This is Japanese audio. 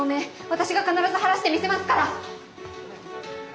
私が必ず晴らしてみせますから！